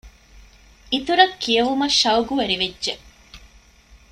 އިތުރަށް ކިޔެވުމަށް ޝަައުޤުވެރިވެއްޖެ